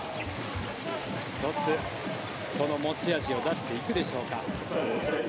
１つ、その持ち味を出していくでしょうか。